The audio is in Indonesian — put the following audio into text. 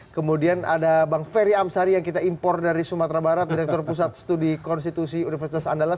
kemudian ada bang ferry amsari yang kita impor dari sumatera barat direktur pusat studi konstitusi universitas andalas